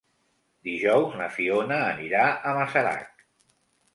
Dijous na Fiona anirà a Masarac.